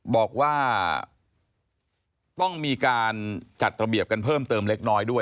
บอกว่าต้องมีการจัดระเบียบกันเพิ่มเติมเล็กน้อยด้วย